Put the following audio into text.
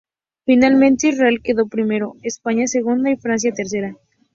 Finalmente Israel quedó primero, España segunda y Francia tercera.